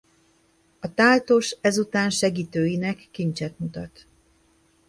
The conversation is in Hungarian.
A táltos ezután segítőinek kincset mutat.